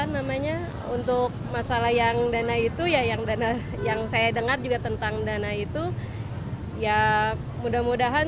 namanya untuk masalah yang dana itu ya yang dana yang saya dengar juga tentang dana itu ya mudah mudahan